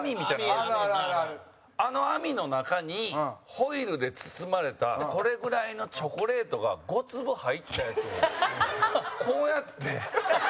後藤：あの網の中にホイルで包まれたこれぐらいのチョコレートが５粒入ったやつを、こうやって。